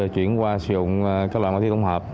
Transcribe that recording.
chuyển qua sử dụng các loại ma túy tổng hợp